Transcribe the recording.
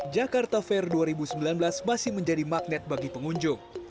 jakarta fair dua ribu sembilan belas masih menjadi magnet bagi pengunjung